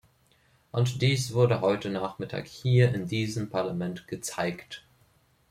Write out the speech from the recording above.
Und dies wurde heute Nachmittag hier in diesem Parlament gezeigt.